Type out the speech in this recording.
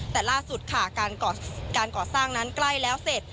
แต่ล่าสุดค่ะการก่อสร้างนั้นใกล้แล้วเสร็จ